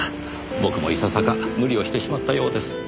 僕もいささか無理をしてしまったようです。